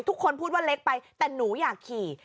ทุกคนพูดว่าเล็กไปแต่หนูอยากขี่